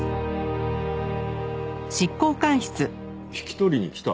引き取りに来た？